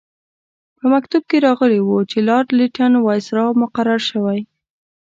په مکتوب کې راغلي وو چې لارډ لیټن وایسرا مقرر شوی.